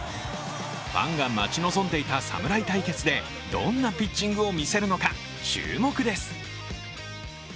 ファンが待ち望んでいた侍対決でどんなピッチングを見せるのか注目です。